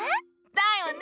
だよね！